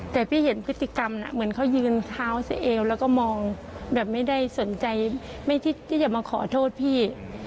แต่พี่เห็นพฤติกรรมเหมือนเขายืนเท้าซะเอวแล้วก็มองแบบไม่ได้สนใจไม่คิดที่จะมาขอโทษพี่